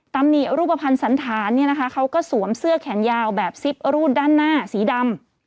ตามนี้รูปภัณฑ์สันธารเขาก็สวมเสื้อแขนยาวแบบซิบรูดด้านหน้าสีดำ